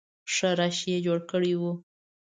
ښه رش یې جوړ کړی وي.